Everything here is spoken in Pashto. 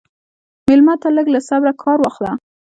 مېلمه ته له صبره کار واخله.